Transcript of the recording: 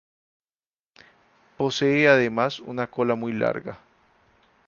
Posee, además, una cola muy larga.